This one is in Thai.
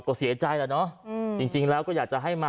ก็เสียใจแล้วเนาะอืมจริงจริงแล้วก็อยากจะให้มา